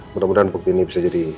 mudah mudahan bukti ini bisa jadi